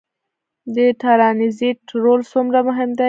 د ټرانزیټ رول څومره مهم دی؟